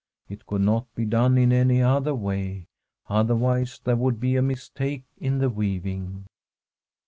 It could not be done in any other way, otherwise there would be a mistake in the weaving.